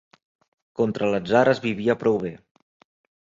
Contra l'atzar es vivia prou bé.